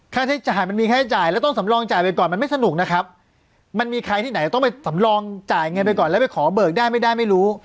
ค่าใช้จ่ายมันมีค่าใช้จ่ายแล้วต้องสำรองจ่ายไปก่อนมันไม่สนุกนะครับมันมีใครที่ไหนต้องไปสำรองจ่ายเงินไปก่อนแล้วไปขอเบิกได้ไม่ได้ไม่รู้